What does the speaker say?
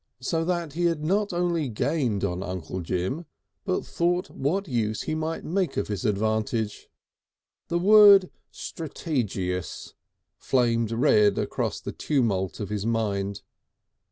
So that he not only gained on Uncle Jim, but thought what use he might make of this advantage. The word "strategious" flamed red across the tumult of his mind.